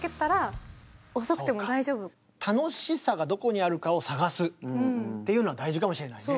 だから楽しさがどこにあるかを探すっていうのは大事かもしれないね。